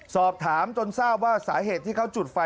สอบถามจนทราบว่าสาเหตุที่เขาจุดไฟ